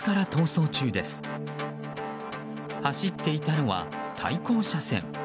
走っていたのは対向車線。